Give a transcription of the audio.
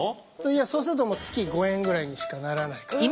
そうすると月５円ぐらいにしかならないから。